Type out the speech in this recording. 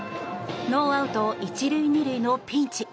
ノーアウト１塁２塁のピンチ。